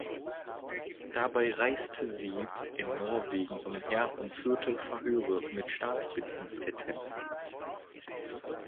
Dabei reiste sie in Norwegen umher und führte Verhöre mit Staatsbediensteten.